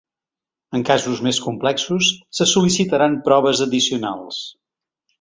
En casos més complexos, se sol·licitaran proves addicionals.